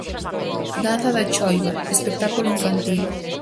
Danza da choiva: espectáculo infantil.